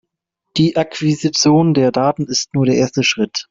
Die Akquisition der Daten ist nur der erste Schritt.